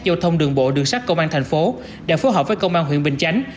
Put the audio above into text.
giao thông đường bộ đường sát công an thành phố đã phối hợp với công an huyện bình chánh